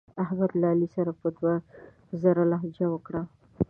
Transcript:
احمد له علي سره په دوه زره لانجه وکړه.